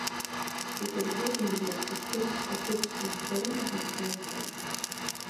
Петербургнӡа усышьҭырц сҭахуп, узцарыма ҳәа дсазҵааит.